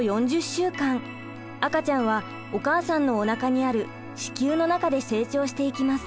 赤ちゃんはお母さんのおなかにある子宮の中で成長していきます。